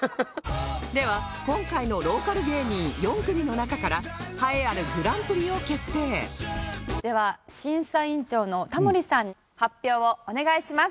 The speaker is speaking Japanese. では今回のローカル芸人４組の中から栄えあるグランプリを決定では審査員長のタモリさん発表をお願いします。